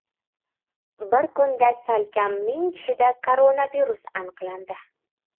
Bir kunda salkam ming kishida koronavirus aniqlandi